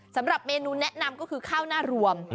สำหรับเมนูแนะนำก็คือข้าวหน้ารวม